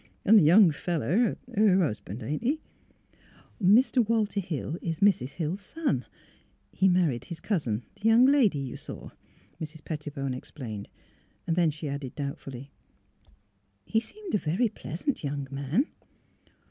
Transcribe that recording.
An' the young feller — her husban'; ain't he? "'' Mr. Walter Hill is Mrs. Hill's son. He mar ried his cousin — the young lady you saw," Mrs. Pettibone explained. Then she added doubtfully, *' He seemed a very pleasant young man."